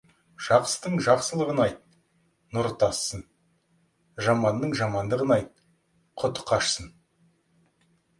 Жақсының жақсылығын айт, нұры тассын, жаманның жамандығын айт, құты қашсын.